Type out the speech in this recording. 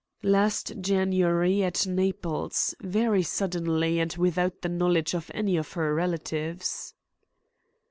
"Last January, at Naples, very suddenly, and without the knowledge of any of her relatives."